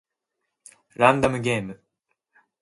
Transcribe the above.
ランダムゲーム